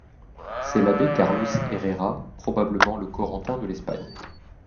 C’est l’abbé Carlos Herrera, probablement le Corentin de l’Espagne.